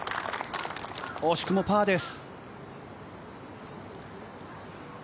惜しくもパーです。